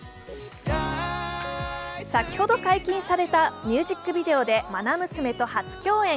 先ほど解禁されたミュージックビデオでまな娘と初共演。